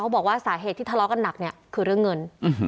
บอกว่าสาเหตุที่ทะเลาะกันหนักเนี่ยคือเรื่องเงิน